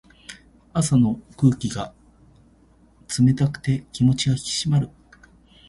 朝の空気が冷たくて気持ちが引き締まる。